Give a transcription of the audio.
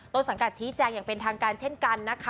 ตอนสังกัดเชี่ยงเป็นทางการเช่นกัน